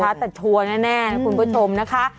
ช้าแต่ทัวร์แน่คุณผู้ชมนะคะ